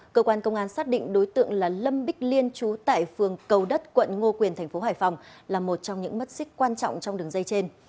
cơ quan công an xác định đối tượng là lâm bích liên chú tại phường cầu đất quận ngô quyền tp hải phòng là một trong những mất xích quan trọng trong đường dây trên